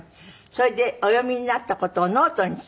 それでお読みになった事をノートにつけて。